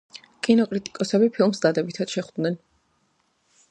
კინოკრიტიკოსები ფილმს დადებითად შეხვდნენ.